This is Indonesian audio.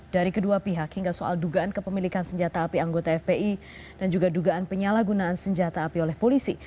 dari kedua pihak hingga soal dugaan kepemilikan senjata api anggota fpi dan juga dugaan penyalahgunaan senjata api oleh polisi